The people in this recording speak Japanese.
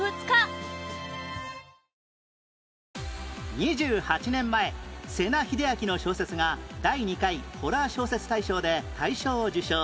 ２８年前瀬名秀明の小説が第２回日本ホラー小説大賞で大賞を受賞